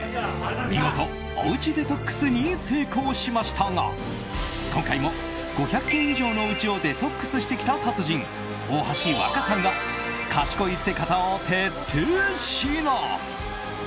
見事、おうちデトックスに成功しましたが今回も５００軒以上のおうちをデトックスしてきた達人大橋わかさんが賢い捨て方を徹底指南。